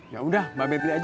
yaudah mbak be beli aja